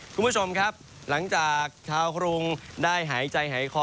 คุณผู้ชมครับหลังจากชาวกรุงได้หายใจหายคอ